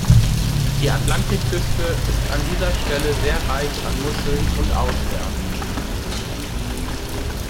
Die Atlantikküste ist an dieser Stelle sehr reich an Muscheln und Austern.